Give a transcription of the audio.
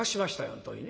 本当にね。